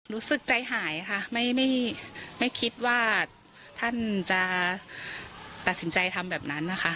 รู้สึกใจหายค่ะไม่คิดว่าท่านจะตัดสินใจทำแบบนั้นนะคะ